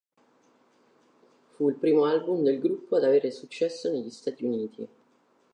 Fu il primo album del gruppo ad avere successo negli Stati Uniti.